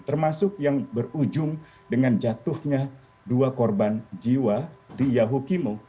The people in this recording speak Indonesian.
termasuk yang berujung dengan jatuhnya dua korban jiwa di yahukimo